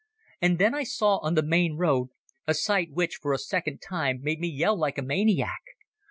And then I saw on the main road a sight which for a second time made me yell like a maniac.